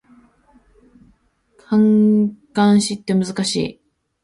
感嘆詞って難しい